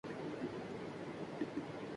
جو جی میں آتا کر ڈالتے۔